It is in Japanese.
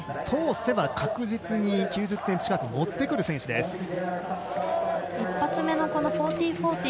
通せば確実に９０点近く持ってくる選手です。